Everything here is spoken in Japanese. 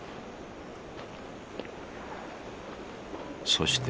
そして。